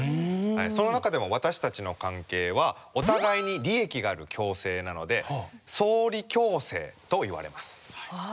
その中でも私たちの関係はお互いに利益がある共生なので「相利共生」といわれます。